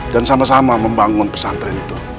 dan sama sama membangun pesantren itu